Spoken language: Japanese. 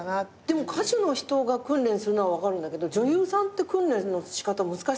歌手の人が訓練するのは分かるんだけど女優さんって訓練の仕方難しそうですね。